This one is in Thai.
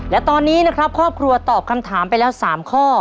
และตอนนี้นะครับครอบครัวตอบคำถามไปแล้ว๓ข้อ